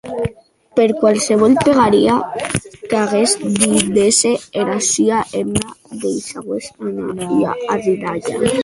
Per quinsevolh pegaria qu’aguest didesse, era sua hemna deishaue anar ua arridalhada.